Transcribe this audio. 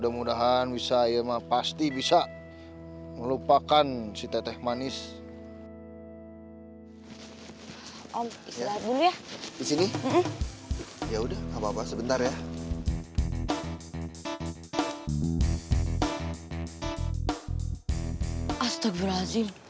tetep selalu keras